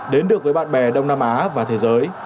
đến được với bạn bè đông nam á và thế giới